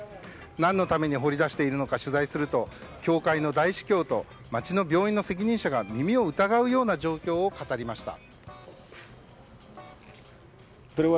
何のために掘り出しているのか取材すると、教会の大司教と街の病院の責任者が耳を疑うような状況を語りました。